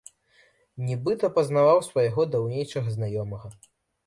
Нібыта пазнаваў свайго даўнейшага знаёмага.